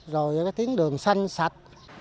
rồi cái tiếng đường xanh sạch